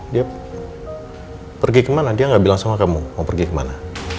dia pergi kemana dia nggak bilang sama kamu mau pergi kemana